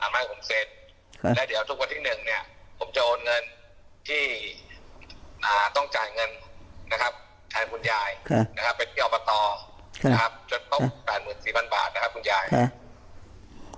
ไปที่สร้างประตอจนควรเติบว่าจ๋าวประคุณสี่พันบาทนะครับ๘๐๐๐บาทนะครับคุณอัจฉริยะ